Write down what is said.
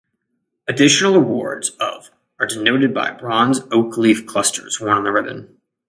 Additional awards of are denoted by bronze oak leaf clusters worn on the ribbon.